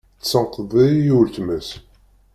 Tessenked-iyi i uletma-s.